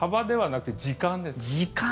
時間。